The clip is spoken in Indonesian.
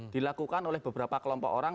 dilakukan oleh beberapa kelompok orang